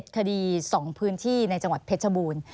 คดี๒พื้นที่ในจังหวัดเพชรบูรณ์